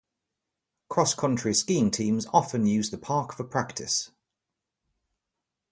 Cross-country skiing teams often use the park for practice.